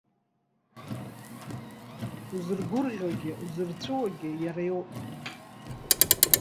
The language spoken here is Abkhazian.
Узыргәырӷьогьы, узырҵәыуогьы иара иоуп.